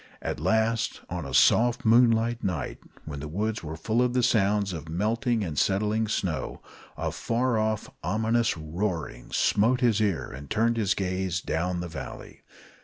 At last, on a soft moonlight night, when the woods were full of the sounds of melting and settling snow, a far off, ominous roaring smote his ear and turned his gaze down to the valley.